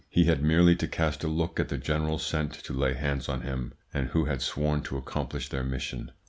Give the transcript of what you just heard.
He had merely to cast a look at the generals sent to lay hands on him, and who had sworn to accomplish their mission.